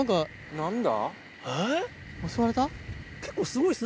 何だ？